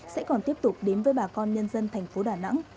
sẽ còn tiếp tục đến với bà con nhân dân thành phố đà nẵng